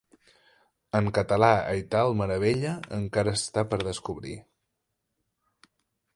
En català aital meravella encara està per descobrir.